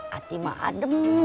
hati mah adem